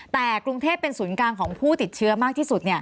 แต่กรุงเทพเป็นศูนย์กลางของผู้ติดเชื้อมากที่สุด